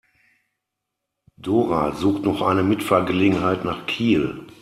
Dora sucht noch eine Mitfahrgelegenheit nach Kiel.